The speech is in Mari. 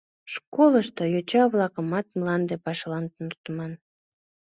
Школышто йоча-влакымат мланде пашалан туныктыман.